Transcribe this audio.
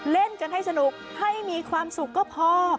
เล่นกันให้สนุกให้มีความสุขก็พอ